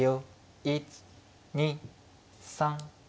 １２３。